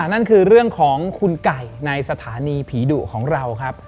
นั่นคือเรื่องของคุณไก่ในสถานีผีดุของเราครับ